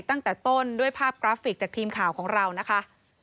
ตั้งแต่ต้นด้วยภาพกราฟิกจากทีมข่าวของเรานะคะ